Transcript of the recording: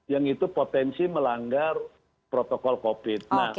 yang itu potensi melanggar protokol covid